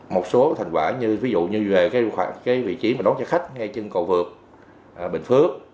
một số thành quả như ví dụ như về vị trí đón chai khách ngay trên cầu vượt bình phước